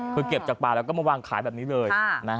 คือเก็บจากป่าแล้วก็มาวางขายแบบนี้เลย